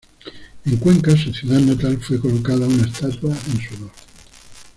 En Cuenca, su ciudad natal, fue colocada una estatua en su honor.